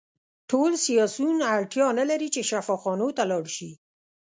ټول سیاسیون اړتیا نلري چې شفاخانو ته لاړ شي